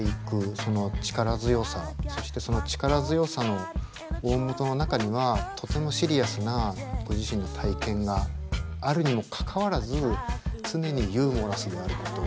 その力強さそしてその力強さの大本の中にはとてもシリアスなご自身の体験があるにもかかわらず常にユーモラスであること。